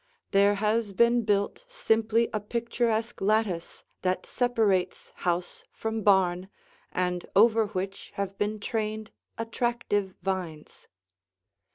There has been built simply a picturesque lattice that separates house from barn and over which have been trained attractive vines.